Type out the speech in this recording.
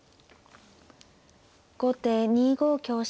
後手２五香車。